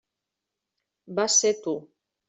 Vas ser tu.